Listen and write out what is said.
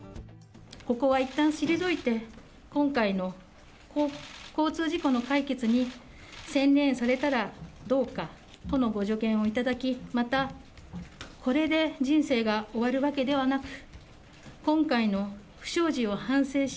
ここはいったん退いて、今回の交通事故の解決に専念されたらどうかとのご助言を頂き、また、これで人生が終わるわけではなく、今回の不祥事を反省し、